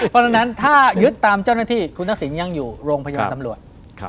เพราะฉะนั้นถ้ายึดตามเจ้าหน้าที่คุณทักษิณยังอยู่โรงพยาบาลตำรวจ